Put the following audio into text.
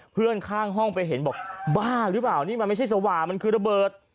เพื่อนข้างห้องไปเห็นบอกบ้าหรือเปล่านี่มันไม่ใช่สว่ามันคือระเบิด